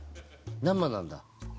生なんだ。